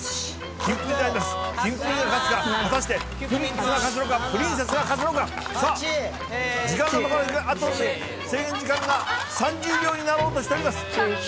キンプリであります、キンプリが勝つか、果たして、プリンスが勝つのか、プリンセスが勝つのか、さあ、時間があと、制限時間が３０秒になろうとしております。